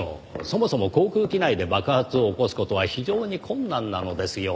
そもそも航空機内で爆発を起こす事は非常に困難なのですよ。